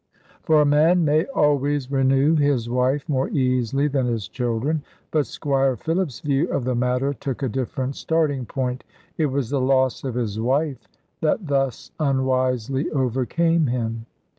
For a man may always renew his wife more easily than his children. But Squire Philip's view of the matter took a different starting point. It was the loss of his wife that thus unwisely overcame him.